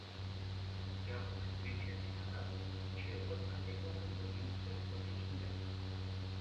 Япык кӱнчен ситара, черпыт ате-влакым вынемышкыже пуртен шында.